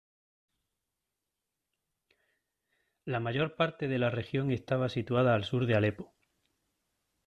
La mayor parte de la región estaba situada al sur de Alepo.